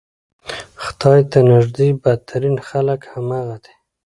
خدای ته نږدې بدترین خلک همغه دي.